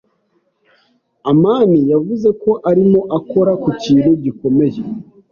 amani yavuze ko arimo akora ku kintu gikomeye.